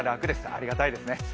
ありがたいですね。